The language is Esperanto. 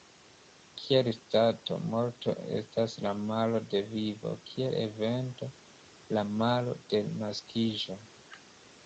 Kiel stato, morto estas la malo de vivo; kiel evento, la malo de naskiĝo.